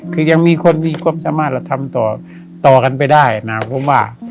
คือยังมีคนมีความสามารถและทำต่อต่อกันไปได้นะผมว่า